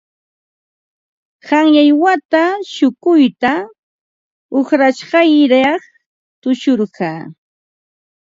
Qanyan wata shukuyta uqrashqayaq tushurqaa.